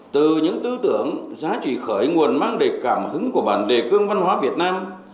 từ những tư tưởng giá trị khởi nguồn mang đầy cảm hứng của bản đề cương văn hóa việt nam